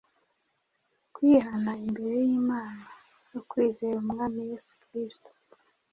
kwihana imbere y’Imana, no kwizera Umwami Yesu Kristo.